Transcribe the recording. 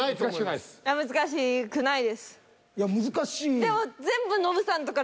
いや難しい。